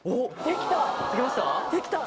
できました？